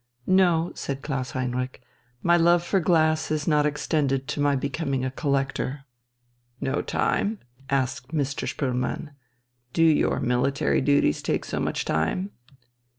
"No," said Klaus Heinrich, "my love for glass has not extended to my becoming a collector." "No time?" asked Mr. Spoelmann. "Do your military duties take so much time?"